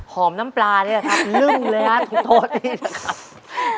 น้ำปลานี่แหละครับนึ่งเลยนะขอโทษนี่นะครับ